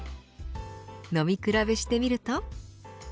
飲み比べしてみると。